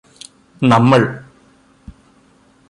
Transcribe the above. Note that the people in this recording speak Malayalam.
നമ്മൾ